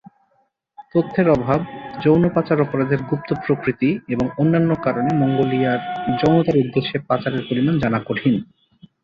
তথ্যের অভাব, যৌন পাচার অপরাধের গুপ্ত প্রকৃতি এবং অন্যান্য কারণে মঙ্গোলিয়ায় যৌনতার উদ্দেশ্যে পাচারের পরিমাণ জানা কঠিন।